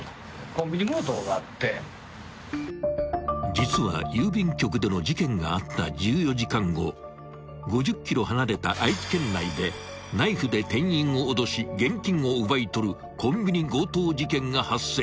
［実は郵便局での事件があった１４時間後５０ｋｍ離れた愛知県内でナイフで店員を脅し現金を奪い取るコンビニ強盗事件が発生］